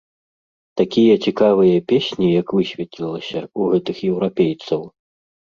Такія цікавыя песні, як высветлілася, у гэтых еўрапейцаў.